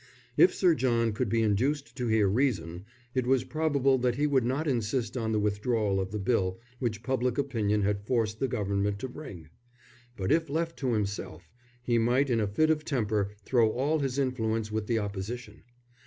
If Sir John could be induced to hear reason, it was probable that he would not insist on the withdrawal of the bill which public opinion had forced the Government to bring. But if left to himself, he might in a fit of temper throw all his influence with the Opposition.